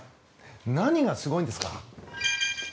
何がすごいんですか。